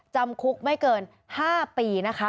จำคุกไม่เกิน๕ปีนะคะ